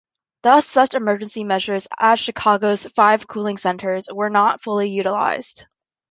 Thus, such emergency measures as Chicago's five cooling centers were not fully utilized.